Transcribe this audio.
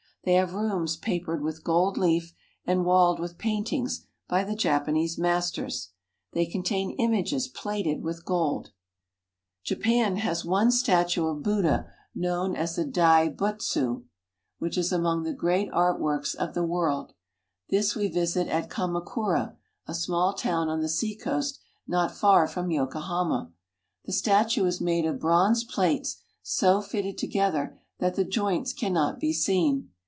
They have rooms papered with gold leaf and walled with paintings by the Japanese masters. They contain images plated with gold. Japanese Priest. Dai Butzu. JAPANESE FARMS AND FARMERS TJ Japan has one statue of Buddha known as the Dai Butzu (di boot' soo), which is among the great art works of the world. This we visit at Kamakura, a small town on the seacoast not far from Yokohama. The statue is made of bronze plated so fitted together that the joints cannot be seen.